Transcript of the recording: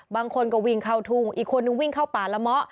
บางคนก็วิ่งเข้าทุ่งอีกคนนึงวิ่งเข้าป่าละเมาะ